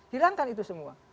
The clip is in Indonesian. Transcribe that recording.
hilangkan itu semua